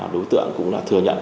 đối tượng cũng là thừa nhận